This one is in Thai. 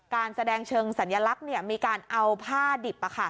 การแสดงเชิงสัญลักษณ์มีการเอาผ้าดิบ